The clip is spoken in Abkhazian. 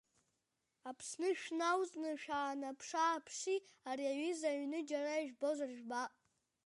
Аԥсны шәналҵны шәаанаԥшы-ааԥши, ари аҩыза аҩны џьара ижәбозар жәбап!